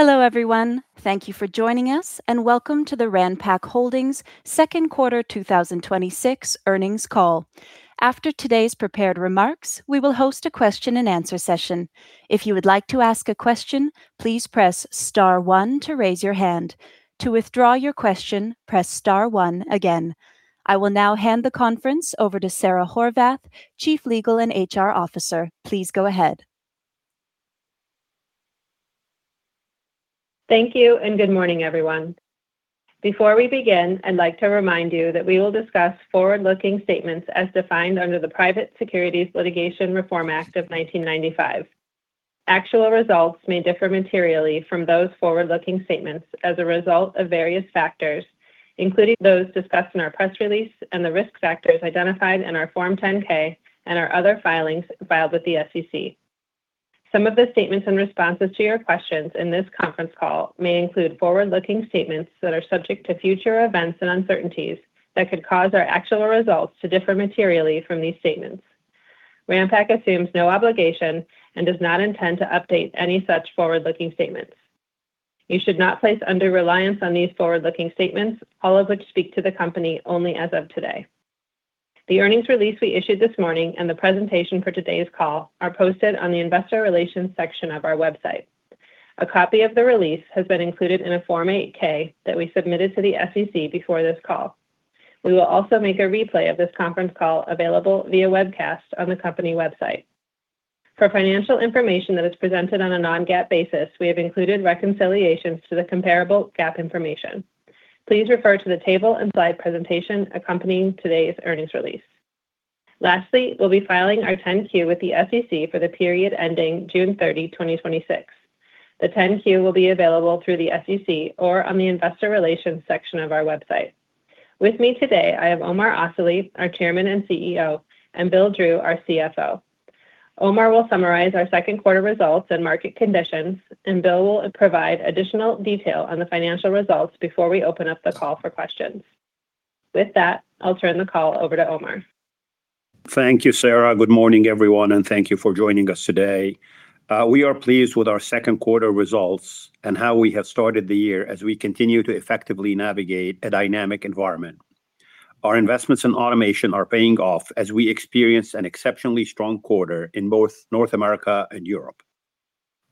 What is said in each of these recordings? Hello, everyone. Thank you for joining us, and welcome to the Ranpak Holdings second quarter 2026 earnings call. After today's prepared remarks, we will host a question and answer session. If you would like to ask a question, please press star one to raise your hand. To withdraw your question, press star one again. I will now hand the conference over to Sara Horvath, Chief Legal and HR Officer. Please go ahead. Thank you. Good morning, everyone. Before we begin, I'd like to remind you that we will discuss forward-looking statements as defined under the Private Securities Litigation Reform Act of 1995. Actual results may differ materially from those forward-looking statements as a result of various factors, including those discussed in our press release and the risk factors identified in our Form 10-K and our other filings filed with the SEC. Some of the statements in responses to your questions in this conference call may include forward-looking statements that are subject to future events and uncertainties that could cause our actual results to differ materially from these statements. Ranpak assumes no obligation and does not intend to update any such forward-looking statements. You should not place undue reliance on these forward-looking statements, all of which speak to the company only as of today. The earnings release we issued this morning and the presentation for today's call are posted on the investor relations section of our website. A copy of the release has been included in a Form 8-K that we submitted to the SEC before this call. We will also make a replay of this conference call available via webcast on the company website. For financial information that is presented on a non-GAAP basis, we have included reconciliations to the comparable GAAP information. Please refer to the table and slide presentation accompanying today's earnings release. Lastly, we'll be filing our 10-Q with the SEC for the period ending June 30, 2026. The 10-Q will be available through the SEC or on the investor relations section of our website. With me today, I have Omar Asali, our Chairman and CEO, and Bill Drew, our CFO. Omar will summarize our second quarter results and market conditions. Bill will provide additional detail on the financial results before we open up the call for questions. With that, I'll turn the call over to Omar. Thank you, Sara. Good morning, everyone, and thank you for joining us today. We are pleased with our second quarter results and how we have started the year as we continue to effectively navigate a dynamic environment. Our investments in automation are paying off as we experience an exceptionally strong quarter in both North America and Europe.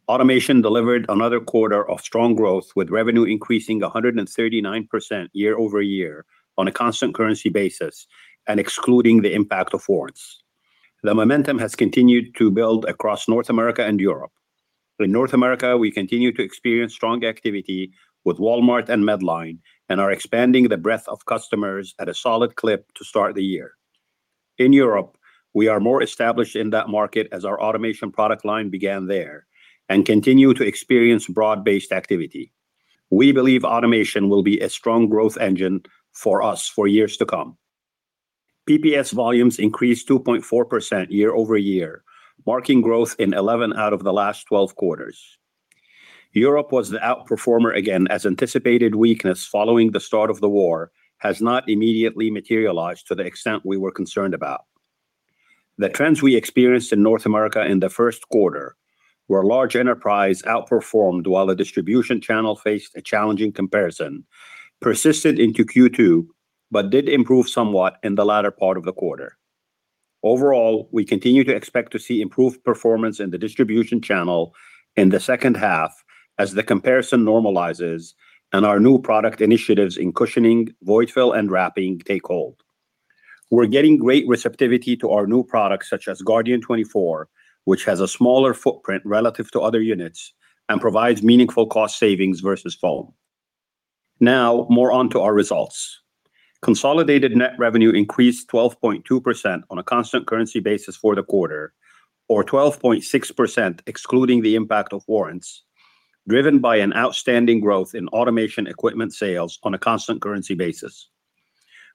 Automation delivered another quarter of strong growth, with revenue increasing 139% year-over-year on a constant currency basis and excluding the impact of warrants. The momentum has continued to build across North America and Europe. In North America, we continue to experience strong activity with Walmart and Medline and are expanding the breadth of customers at a solid clip to start the year. In Europe, we are more established in that market as our automation product line began there and continue to experience broad-based activity. We believe automation will be a strong growth engine for us for years to come. PPS volumes increased 2.4% year-over-year, marking growth in 11 out of the last 12 quarters. Europe was the outperformer again, as anticipated weakness following the start of the war has not immediately materialized to the extent we were concerned about. The trends we experienced in North America in the first quarter, where large enterprise outperformed while the distribution channel faced a challenging comparison, persisted into Q2, but did improve somewhat in the latter part of the quarter. Overall, we continue to expect to see improved performance in the distribution channel in the second half as the comparison normalizes and our new product initiatives in cushioning, void fill, and wrapping take hold. We're getting great receptivity to our new products such as Guardian 24, which has a smaller footprint relative to other units and provides meaningful cost savings versus foam. Now, more onto our results. Consolidated net revenue increased 12.2% on a constant currency basis for the quarter, or 12.6% excluding the impact of warrants, driven by an outstanding growth in automation equipment sales on a constant currency basis.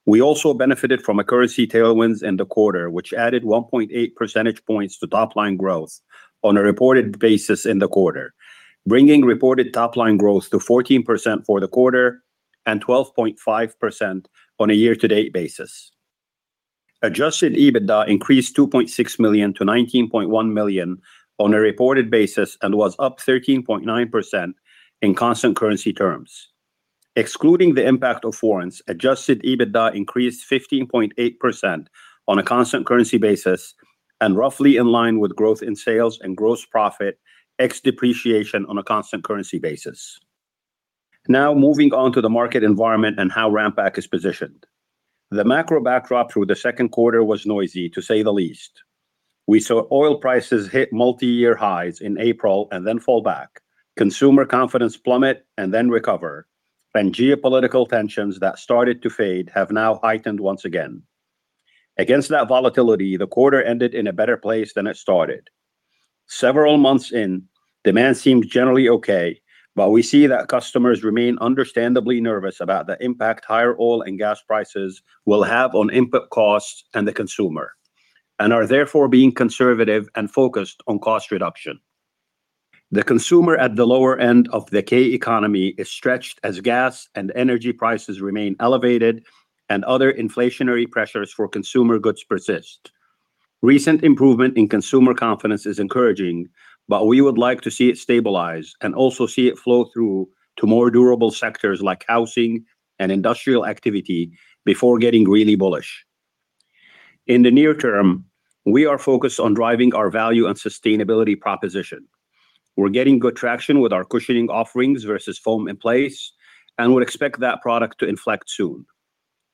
We also benefited from currency tailwinds in the quarter, which added 1.8 percentage points to top-line growth on a reported basis in the quarter, bringing reported top-line growth to 14% for the quarter and 12.5% on a year-to-date basis. Adjusted EBITDA increased $2.6 million to $19.1 million on a reported basis and was up 13.9% in constant currency terms. Excluding the impact of warrants, adjusted EBITDA increased 15.8% on a constant currency basis and roughly in line with growth in sales and gross profit ex depreciation on a constant currency basis. Now moving on to the market environment and how Ranpak is positioned. The macro backdrop through the second quarter was noisy to say the least. We saw oil prices hit multi-year highs in April and then fall back, consumer confidence plummet and then recover, and geopolitical tensions that started to fade have now heightened once again. Against that volatility, the quarter ended in a better place than it started. Several months in, demand seems generally okay, but we see that customers remain understandably nervous about the impact higher oil and gas prices will have on input costs and the consumer and are therefore being conservative and focused on cost reduction. The consumer at the lower end of the K-shaped economy is stretched as gas and energy prices remain elevated and other inflationary pressures for consumer goods persist. Recent improvement in consumer confidence is encouraging, we would like to see it stabilize and also see it flow through to more durable sectors like housing and industrial activity before getting really bullish. In the near term, we are focused on driving our value and sustainability proposition. We're getting good traction with our cushioning offerings versus foam in place, and would expect that product to inflect soon.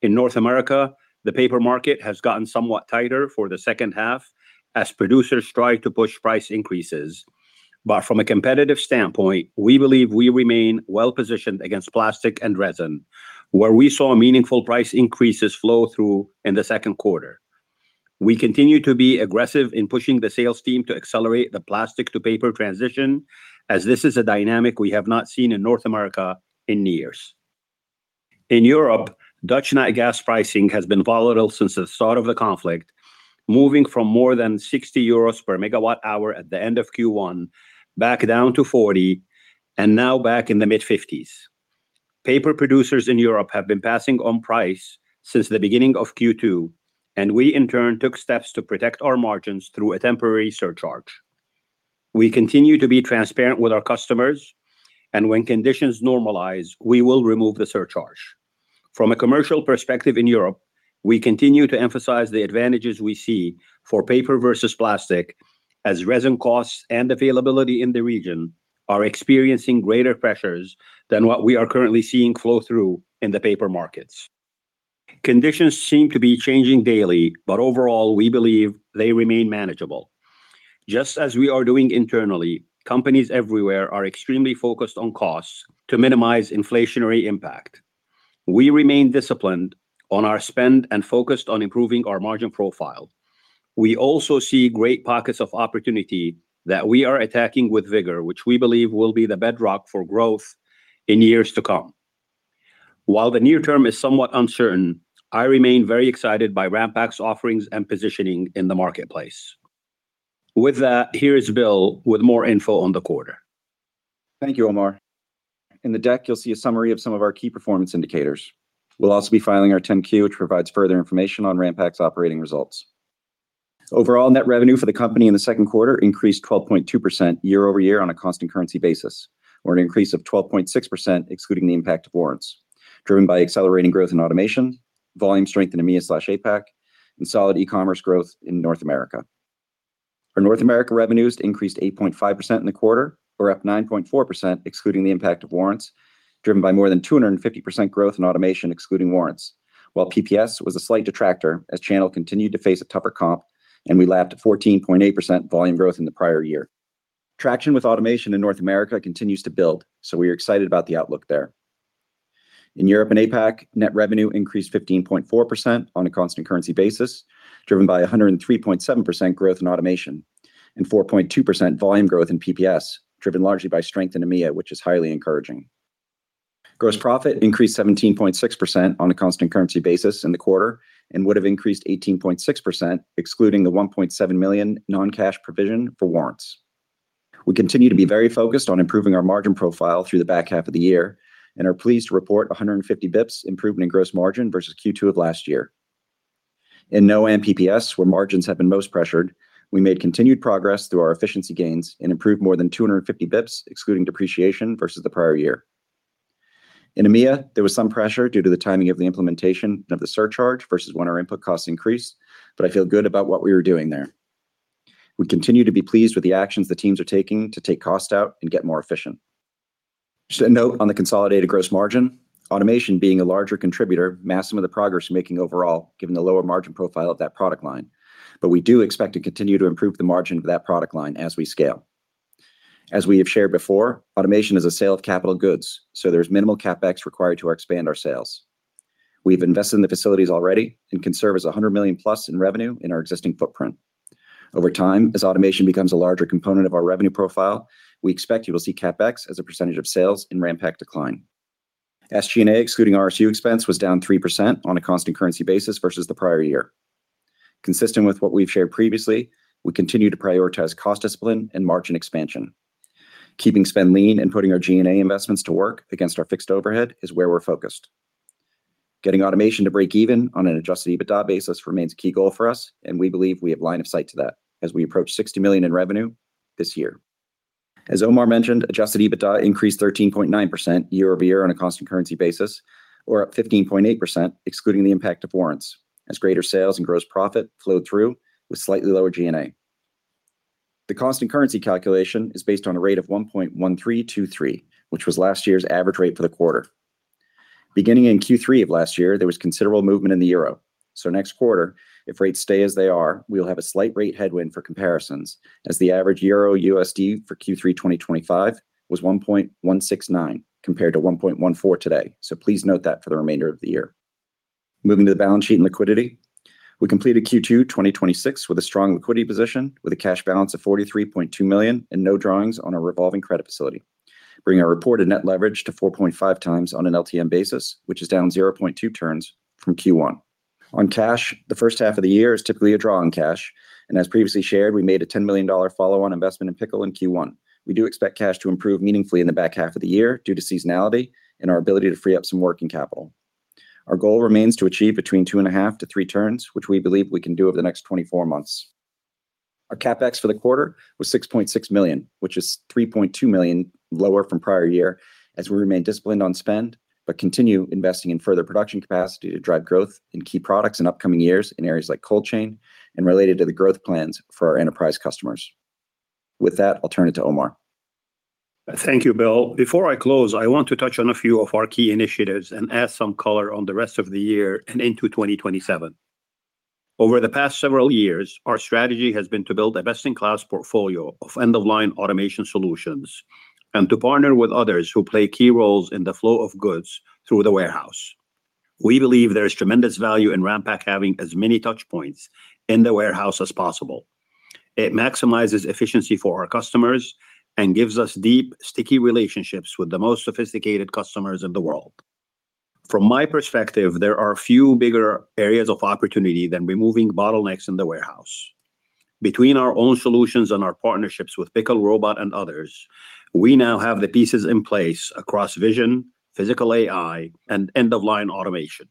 In North America, the paper market has gotten somewhat tighter for the second half as producers try to push price increases. From a competitive standpoint, we believe we remain well-positioned against plastic and resin, where we saw meaningful price increases flow through in the second quarter. We continue to be aggressive in pushing the sales team to accelerate the plastic-to-paper transition, as this is a dynamic we have not seen in North America in years. In Europe, Dutch natural gas pricing has been volatile since the start of the conflict, moving from more than 60 euros per megawatt-hour at the end of Q1 back down to 40, and now back in the mid-50s. Paper producers in Europe have been passing on price since the beginning of Q2, and we, in turn, took steps to protect our margins through a temporary surcharge. We continue to be transparent with our customers, and when conditions normalize, we will remove the surcharge. From a commercial perspective in Europe, we continue to emphasize the advantages we see for paper versus plastic, as resin costs and availability in the region are experiencing greater pressures than what we are currently seeing flow through in the paper markets. Conditions seem to be changing daily, overall, we believe they remain manageable. Just as we are doing internally, companies everywhere are extremely focused on costs to minimize inflationary impact. We remain disciplined on our spend and focused on improving our margin profile. We also see great pockets of opportunity that we are attacking with vigor, which we believe will be the bedrock for growth in years to come. The near term is somewhat uncertain, I remain very excited by Ranpak's offerings and positioning in the marketplace. With that, here is Bill with more info on the quarter. Thank you, Omar. In the deck, you'll see a summary of some of our key performance indicators. We'll also be filing our 10-Q, which provides further information on Ranpak's operating results. Overall net revenue for the company in the second quarter increased 12.2% year-over-year on a constant currency basis, or an increase of 12.6% excluding the impact of warrants, driven by accelerating growth in automation, volume strength in EMEA/APAC, and solid e-commerce growth in North America. Our North America revenues increased 8.5% in the quarter, or up 9.4% excluding the impact of warrants, driven by more than 250% growth in automation excluding warrants. PPS was a slight detractor as channel continued to face a tougher comp, and we lapped 14.8% volume growth in the prior year. In Europe and APAC, net revenue increased 15.4% on a constant currency basis, driven by 103.7% growth in automation and 4.2% volume growth in PPS, driven largely by strength in EMEA, which is highly encouraging. Gross profit increased 17.6% on a constant currency basis in the quarter and would have increased 18.6%, excluding the $1.7 million non-cash provision for warrants. We continue to be very focused on improving our margin profile through the back half of the year and are pleased to report 150 basis points improvement in gross margin versus Q2 of last year. In North America and PPS, where margins have been most pressured, we made continued progress through our efficiency gains and improved more than 250 basis points excluding depreciation versus the prior year. In EMEA, there was some pressure due to the timing of the implementation of the surcharge versus when our input costs increased. I feel good about what we are doing there. We continue to be pleased with the actions the teams are taking to take cost out and get more efficient. Just a note on the consolidated gross margin, automation being a larger contributor masks some of the progress we are making overall, given the lower margin profile of that product line. We do expect to continue to improve the margin of that product line as we scale. As we have shared before, automation is a sale of capital goods, so there is minimal CapEx required to expand our sales. We have invested in the facilities already and can service $100+ million in revenue in our existing footprint. Over time, as automation becomes a larger component of our revenue profile, we expect you will see CapEx as a percentage of sales in Ranpak decline. SG&A, excluding RSU expense, was down 3% on a constant currency basis versus the prior year. Consistent with what we have shared previously, we continue to prioritize cost discipline and margin expansion. Keeping spend lean and putting our G&A investments to work against our fixed overhead is where we are focused. Getting automation to break even on an adjusted EBITDA basis remains a key goal for us, and we believe we have line of sight to that as we approach $60 million in revenue this year. As Omar mentioned, adjusted EBITDA increased 13.9% year-over-year on a constant currency basis, or up 15.8% excluding the impact of warrants, as greater sales and gross profit flowed through with slightly lower G&A. The constant currency calculation is based on a rate of 1.1323, which was last year's average rate for the quarter. Beginning in Q3 of last year, there was considerable movement in the EUR. Next quarter, if rates stay as they are, we will have a slight rate headwind for comparisons as the average EUR/USD for Q3 2025 was 1.169 compared to 1.14 today. Please note that for the remainder of the year. Moving to the balance sheet and liquidity. We completed Q2 2026 with a strong liquidity position with a cash balance of $43.2 million and no drawings on our revolving credit facility, bringing our reported net leverage to 4.5x on an LTM basis, which is down 0.2 turns from Q1. On cash, the first half of the year is typically a draw on cash, and as previously shared, we made a $10 million follow-on investment in Pickle in Q1. We do expect cash to improve meaningfully in the back half of the year due to seasonality and our ability to free up some working capital. Our goal remains to achieve between two and a half to three turns, which we believe we can do over the next 24 months. Our CapEx for the quarter was $6.6 million, which is $3.2 million lower from prior year as we remain disciplined on spend but continue investing in further production capacity to drive growth in key products in upcoming years in areas like cold chain and related to the growth plans for our enterprise customers. With that, I'll turn it to Omar. Thank you, Bill. Before I close, I want to touch on a few of our key initiatives and add some color on the rest of the year and into 2027. Over the past several years, our strategy has been to build a best-in-class portfolio of end-of-line automation solutions and to partner with others who play key roles in the flow of goods through the warehouse. We believe there is tremendous value in Ranpak having as many touchpoints in the warehouse as possible. It maximizes efficiency for our customers and gives us deep, sticky relationships with the most sophisticated customers in the world. From my perspective, there are few bigger areas of opportunity than removing bottlenecks in the warehouse. Between our own solutions and our partnerships with Pickle Robot and others, we now have the pieces in place across vision, physical AI, and end-of-line automation.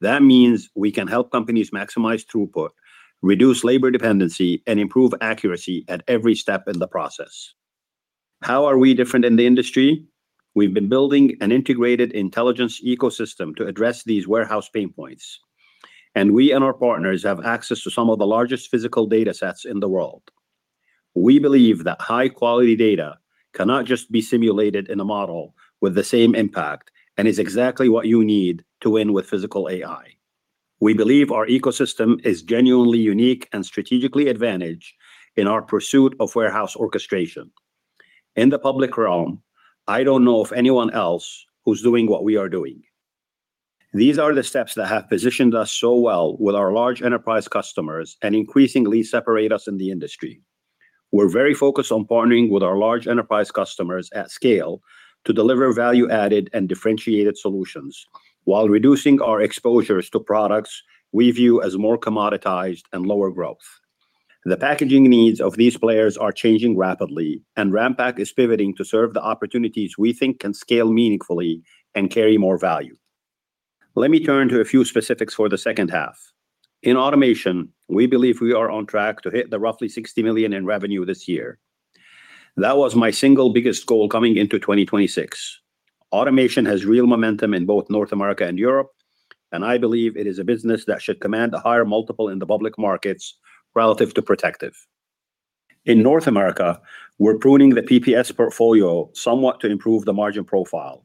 That means we can help companies maximize throughput, reduce labor dependency, and improve accuracy at every step in the process. How are we different in the industry? We've been building an integrated intelligence ecosystem to address these warehouse pain points, and we and our partners have access to some of the largest physical data sets in the world. We believe that high-quality data cannot just be simulated in a model with the same impact and is exactly what you need to win with physical AI. We believe our ecosystem is genuinely unique and strategically advantaged in our pursuit of warehouse orchestration. In the public realm, I don't know of anyone else who's doing what we are doing. These are the steps that have positioned us so well with our large enterprise customers and increasingly separate us in the industry. We're very focused on partnering with our large enterprise customers at scale to deliver value-added and differentiated solutions while reducing our exposures to products we view as more commoditized and lower growth. The packaging needs of these players are changing rapidly, and Ranpak is pivoting to serve the opportunities we think can scale meaningfully and carry more value. Let me turn to a few specifics for the second half. In automation, we believe we are on track to hit the roughly $60 million in revenue this year. That was my single biggest goal coming into 2026. Automation has real momentum in both North America and Europe, and I believe it is a business that should command a higher multiple in the public markets relative to protective. In North America, we're pruning the PPS portfolio somewhat to improve the margin profile.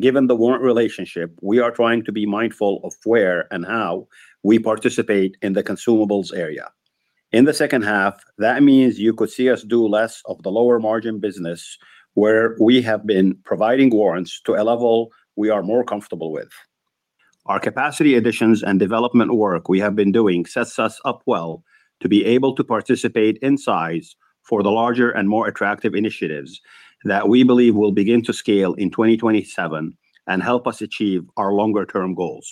Given the warrant relationship, we are trying to be mindful of where and how we participate in the consumables area. In the second half, that means you could see us do less of the lower margin business where we have been providing warrants to a level we are more comfortable with. Our capacity additions and development work we have been doing sets us up well to be able to participate in size for the larger and more attractive initiatives that we believe will begin to scale in 2027 and help us achieve our longer-term goals.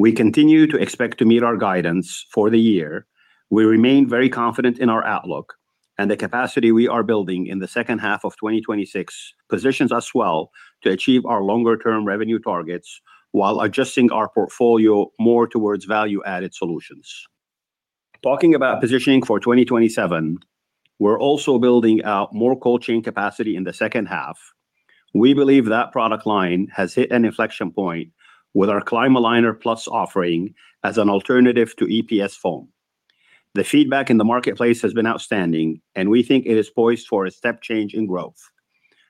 We continue to expect to meet our guidance for the year. We remain very confident in our outlook and the capacity we are building in the second half of 2026 positions us well to achieve our longer-term revenue targets while adjusting our portfolio more towards value-added solutions. Talking about positioning for 2027, we're also building out more cold chain capacity in the second half. We believe that product line has hit an inflection point with our Climaliner Plus offering as an alternative to EPS foam. The feedback in the marketplace has been outstanding, and we think it is poised for a step change in growth.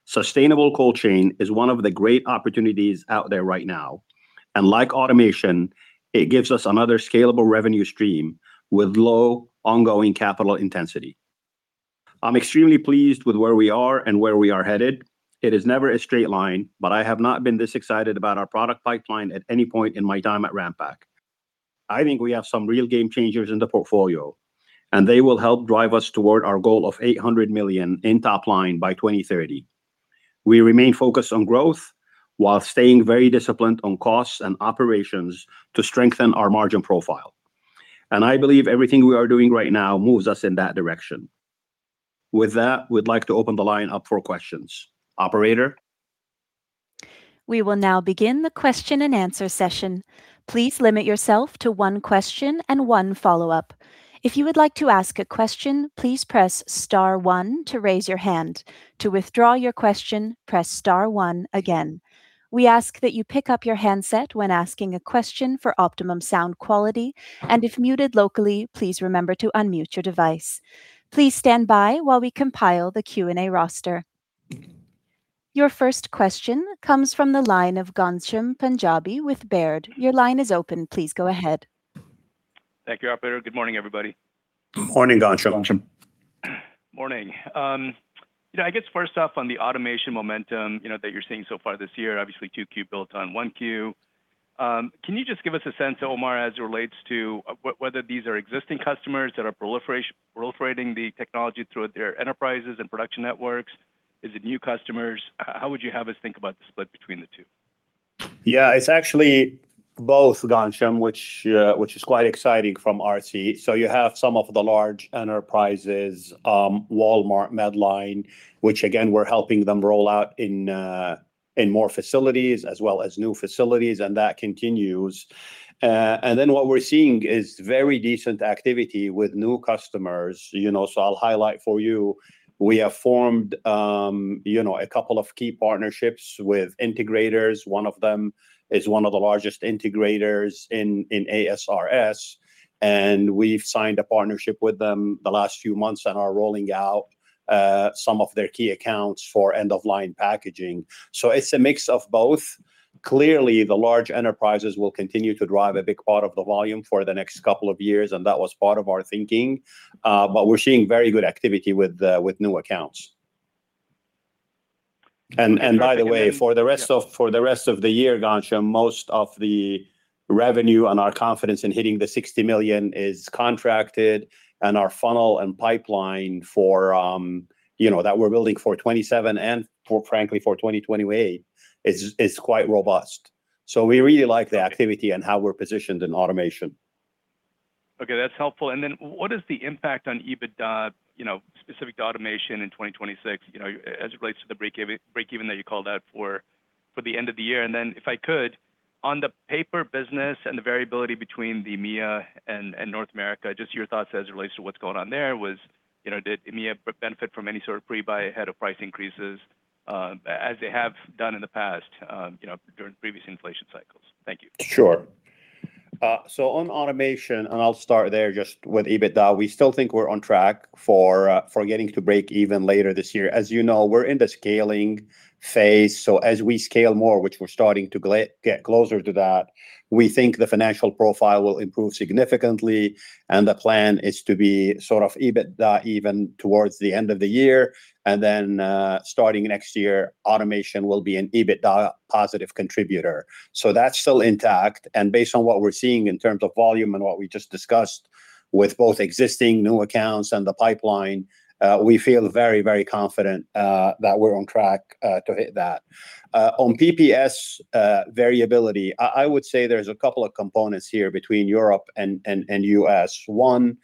Sustainable cold chain is one of the great opportunities out there right now, and like automation, it gives us another scalable revenue stream with low ongoing capital intensity. I'm extremely pleased with where we are and where we are headed. It is never a straight line, but I have not been this excited about our product pipeline at any point in my time at Ranpak. I think we have some real game changers in the portfolio, and they will help drive us toward our goal of $800 million in top line by 2030. We remain focused on growth while staying very disciplined on costs and operations to strengthen our margin profile. I believe everything we are doing right now moves us in that direction. With that, we'd like to open the line up for questions. Operator? We will now begin the question and answer session. Please limit yourself to one question and one follow-up. If you would like to ask a question, please press star one to raise your hand. To withdraw your question, press star one again. We ask that you pick up your handset when asking a question for optimum sound quality, and if muted locally, please remember to unmute your device. Please stand by while we compile the Q&A roster. Your first question comes from the line of Ghansham Panjabi with Baird. Your line is open. Please go ahead. Thank you, operator. Good morning, everybody. Morning, Ghansham. Morning. I guess first off, on the automation momentum that you're seeing so far this year, obviously 2Q built on 1Q. Can you just give us a sense, Omar, as it relates to whether these are existing customers that are proliferating the technology through their enterprises and production networks? Is it new customers? How would you have us think about the split between the two? Yeah, it's actually Both, Ghansham, which is quite exciting from our seat. You have some of the large enterprises, Walmart, Medline, which again, we're helping them roll out in more facilities as well as new facilities, and that continues. What we're seeing is very decent activity with new customers. I'll highlight for you, we have formed a couple of key partnerships with integrators. One of them is one of the largest integrators in AS/RS, and we've signed a partnership with them the last few months and are rolling out some of their key accounts for end-of-line packaging. It's a mix of both. Clearly, the large enterprises will continue to drive a big part of the volume for the next couple of years, and that was part of our thinking. We're seeing very good activity with new accounts. By the way, for the rest of the year, Ghansham, most of the revenue and our confidence in hitting the $60 million is contracted. Our funnel and pipeline that we're building for 2027 and frankly for 2028 is quite robust. We really like the activity and how we're positioned in automation. Okay, that's helpful. What is the impact on EBITDA, specific to automation in 2026, as it relates to the breakeven that you called out for the end of the year? If I could, on the paper business and the variability between the EMEA and North America, just your thoughts as it relates to what's going on there. Did EMEA benefit from any sort of pre-buy ahead of price increases, as they have done in the past during previous inflation cycles? Thank you. Sure. On automation, I'll start there just with EBITDA. We still think we're on track for getting to breakeven later this year. As you know, we're in the scaling phase. As we scale more, which we're starting to get closer to that, we think the financial profile will improve significantly. The plan is to be sort of EBITDA even towards the end of the year. Starting next year, automation will be an EBITDA positive contributor. That's still intact, and based on what we're seeing in terms of volume and what we just discussed with both existing new accounts and the pipeline, we feel very confident that we're on track to hit that. On PPS variability, I would say there's a couple of components here between Europe and U.S. One.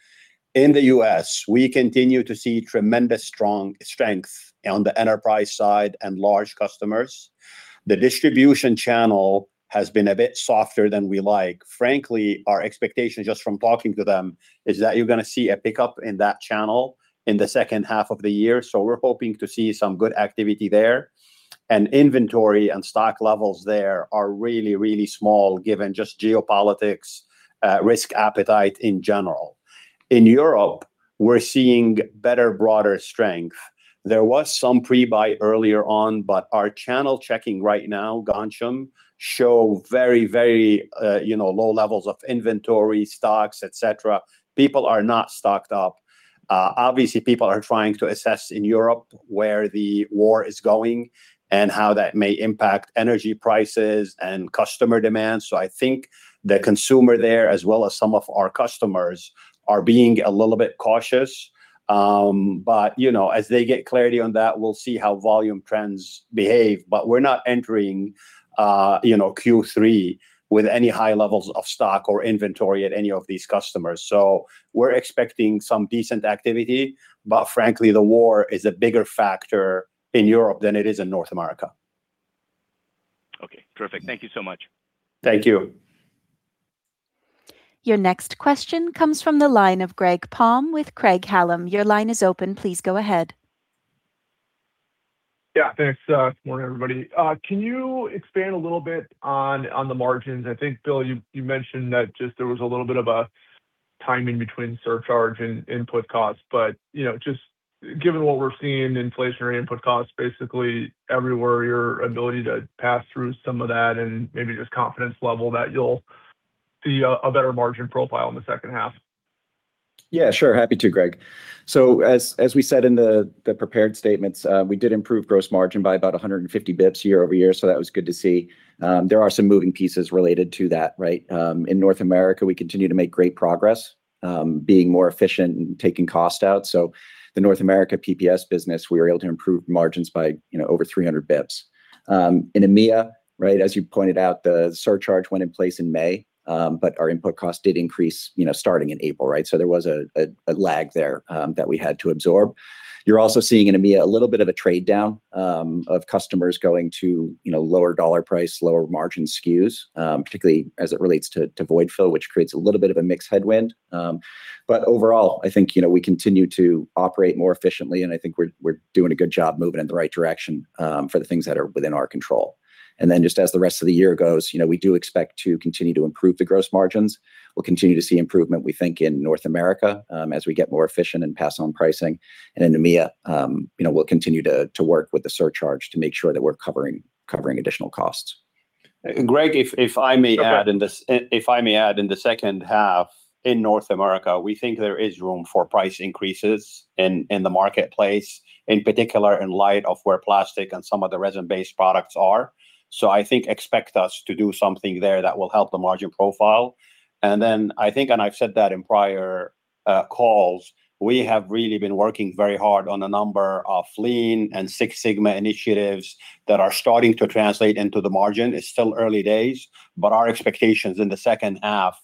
In the U.S., we continue to see tremendous strength on the enterprise side and large customers. The distribution channel has been a bit softer than we like. Frankly, our expectation just from talking to them is that you're going to see a pickup in that channel in the second half of the year. We're hoping to see some good activity there, and inventory and stock levels there are really small given just geopolitics, risk appetite in general. In Europe, we're seeing better, broader strength. There was some pre-buy earlier on. Our channel checking right now, Ghansham, show very low levels of inventory, stocks, et cetera. People are not stocked up. People are trying to assess in Europe where the war is going and how that may impact energy prices and customer demand. I think the consumer there, as well as some of our customers, are being a little bit cautious. As they get clarity on that, we'll see how volume trends behave. We're not entering Q3 with any high levels of stock or inventory at any of these customers. We're expecting some decent activity. Frankly, the war is a bigger factor in Europe than it is in North America. Okay, perfect. Thank you so much. Thank you. Your next question comes from the line of Greg Palm with Craig-Hallum. Your line is open. Please go ahead. Yeah, thanks. Morning, everybody. Can you expand a little bit on the margins? I think, Bill, you mentioned that just there was a little bit of a timing between surcharge and input cost. Just given what we're seeing, inflationary input costs basically everywhere, your ability to pass through some of that and maybe just confidence level that you'll see a better margin profile in the second half. Yeah, sure. Happy to, Greg. As we said in the prepared statements, we did improve gross margin by about 150 basis points year-over-year, that was good to see. There are some moving pieces related to that, right? In North America, we continue to make great progress, being more efficient and taking cost out. The North America PPS business, we were able to improve margins by over 300 basis points. In EMEA, right, as you pointed out, the surcharge went in place in May, our input cost did increase starting in April, right? There was a lag there that we had to absorb. You're also seeing in EMEA a little bit of a trade-down of customers going to lower dollar price, lower margin SKUs, particularly as it relates to void fill, which creates a little bit of a mixed headwind. Overall, I think we continue to operate more efficiently, and I think we're doing a good job moving in the right direction for the things that are within our control. Just as the rest of the year goes, we do expect to continue to improve the gross margins. We'll continue to see improvement, we think, in North America as we get more efficient and pass on pricing. In EMEA, we'll continue to work with the surcharge to make sure that we're covering additional costs. Greg, if I may add, in the second half in North America, we think there is room for price increases in the marketplace, in particular in light of where plastic and some of the resin-based products are. I think expect us to do something there that will help the margin profile. I think, and I've said that in prior calls, we have really been working very hard on a number of Lean and Six Sigma initiatives that are starting to translate into the margin. It's still early days, our expectations in the second half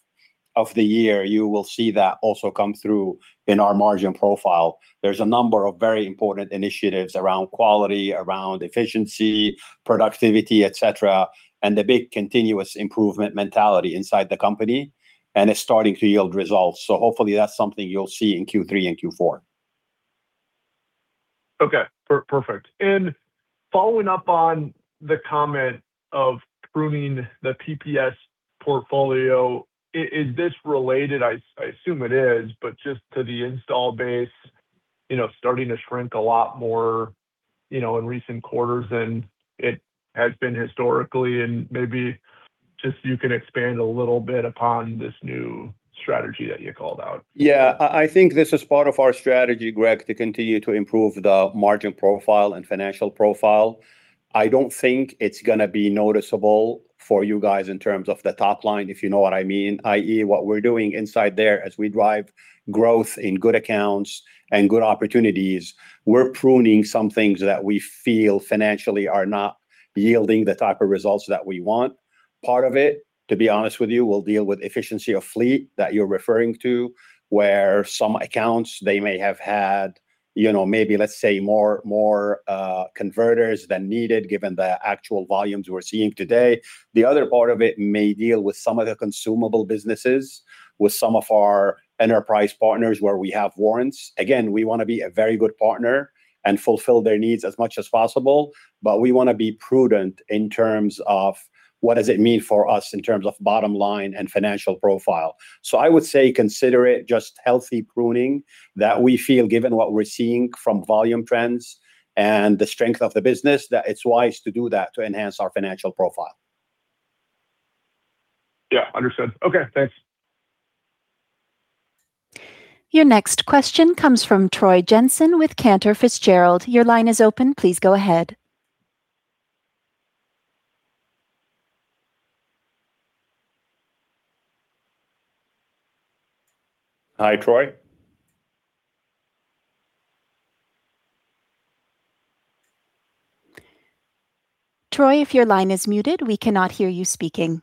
of the year, you will see that also come through in our margin profile. There's a number of very important initiatives around quality, around efficiency, productivity, et cetera, and the big continuous improvement mentality inside the company, and it's starting to yield results. Hopefully that's something you'll see in Q3 and Q4. Okay, perfect. Following up on the comment of pruning the PPS portfolio. Is this related, I assume it is, but just to the installed base starting to shrink a lot more in recent quarters than it has been historically, and maybe just you can expand a little bit upon this new strategy that you called out. I think this is part of our strategy, Greg, to continue to improve the margin profile and financial profile. I don't think it's going to be noticeable for you guys in terms of the top line, if you know what I mean, i.e., what we're doing inside there as we drive growth in good accounts and good opportunities. We're pruning some things that we feel financially are not yielding the type of results that we want. Part of it, to be honest with you, will deal with efficiency of fleet that you're referring to, where some accounts they may have had maybe let's say more converters than needed given the actual volumes we're seeing today. The other part of it may deal with some of the consumable businesses with some of our enterprise partners where we have warrants. We want to be a very good partner and fulfill their needs as much as possible, but we want to be prudent in terms of what does it mean for us in terms of bottom line and financial profile. I would say consider it just healthy pruning that we feel given what we're seeing from volume trends and the strength of the business, that it's wise to do that to enhance our financial profile. Yeah, understood. Okay, thanks. Your next question comes from Troy Jensen with Cantor Fitzgerald. Your line is open. Please go ahead. Hi, Troy. Troy, if your line is muted, we cannot hear you speaking.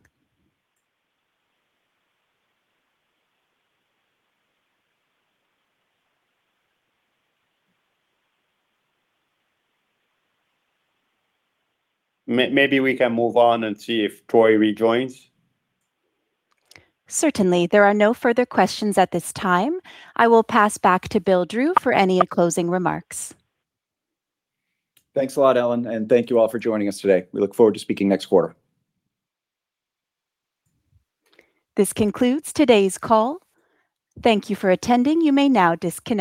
Maybe we can move on and see if Troy rejoins. Certainly. There are no further questions at this time. I will pass back to Bill Drew for any closing remarks. Thanks a lot, Ellen. Thank you all for joining us today. We look forward to speaking next quarter. This concludes today's call. Thank you for attending. You may now disconnect.